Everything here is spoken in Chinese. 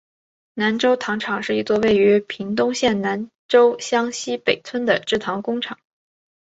南州糖厂是一座位于屏东县南州乡溪北村的制糖工厂。